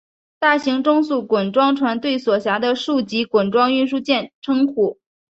大型中速滚装船对所辖的数级滚装运输舰的称呼。